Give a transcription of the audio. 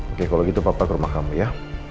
oke kalau gitu bapak ke rumah kamu ya